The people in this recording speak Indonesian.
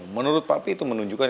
menurut papi itu menunjukkan